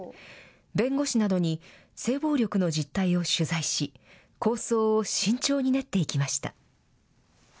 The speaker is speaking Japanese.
弁護士などに、性暴力の実態を取材し、構想を慎重に練っていきました。